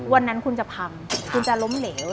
วันนั้นคุณจะพังคุณจะล้มเหลว